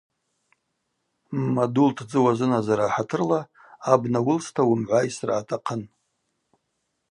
Ммаду лтдзы уазынадзара ахӏатырла, абна уылста уымгӏвайсра атахъын.